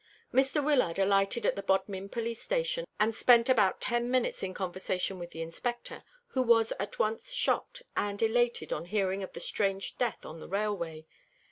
Mr. Wyllard alighted at the Bodmin police station, and spent about ten minutes in conversation with the Inspector, who was at once shocked and elated on hearing of the strange death on the railway.